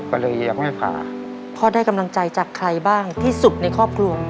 ก็เลยยังไม่ผ่าพ่อได้กำลังใจจากใครบ้างที่สุดในครอบครัว